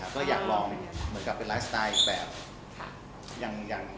ก็อยากลองมีการเป็นไลฟ์สไตล์แบบ